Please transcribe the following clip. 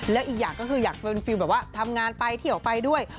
แล้วอีกอย่างก็คืออยากเป็นฟิลแบบว่าทำงานไปเที่ยวไปด้วย